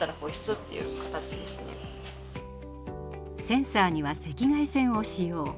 センサーには赤外線を使用。